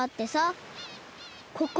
ここ。